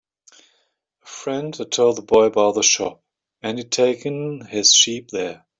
A friend had told the boy about the shop, and he had taken his sheep there.